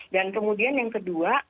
dan kemudian yang kedua